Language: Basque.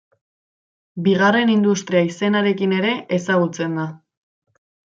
Bigarren industria izenarekin ere ezagutzen da.